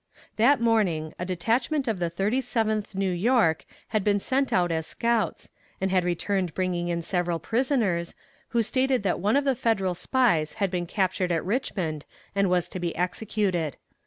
That morning a detachment of the Thirty seventh New York had been sent out as scouts, and had returned bringing in several prisoners, who stated that one of the Federal spies had been captured at Richmond and was to be executed.